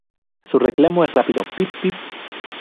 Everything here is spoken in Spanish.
Su reclamo es un rápido pip-pip.